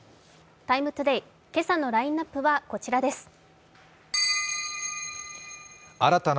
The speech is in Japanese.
今朝のラインナップはこちらです。